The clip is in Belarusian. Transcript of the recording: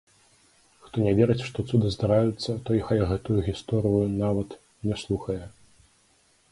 Хто не верыць, што цуды здараюцца, той хай гэтую гісторыю нават не слухае.